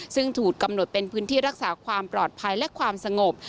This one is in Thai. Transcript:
ซึ่งถูกกำหนดเป็นพื้นที่รักษาความปลอดภัยและความสงบ